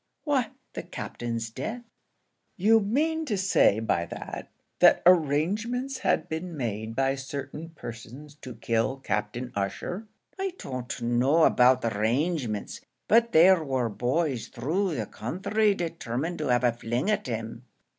"Why, the Captain's death." "You mean to say by that, that arrangements had been made by certain persons to kill Captain Ussher?" "I don't know about arrangements; but there war boys through the counthry determined to have a fling at him."